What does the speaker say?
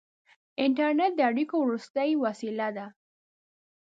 • انټرنېټ د اړیکو وروستۍ وسیله ده.